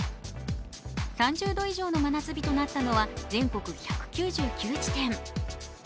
３０度以上の真夏日となったのは全国１９９地点。